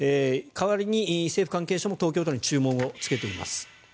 代わりに政府関係者も東京都に注文をつけています。